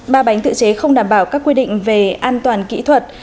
ba bánh tự chế không đảm bảo các quy định về an toàn kỹ thuật